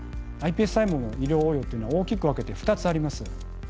ｉＰＳ細胞の医療応用というのは大きく分けて２つあります。